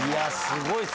すごい。